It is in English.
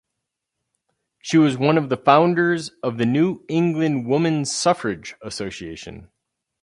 She was one of the founders of the New England Woman Suffrage Association.